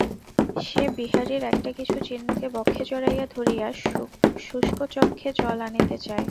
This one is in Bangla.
সে বিহারীর একটা-কিছু চিহ্নকে বক্ষে জড়াইয়া ধরিয়া শুষ্ক চক্ষে জল আনিতে চায়।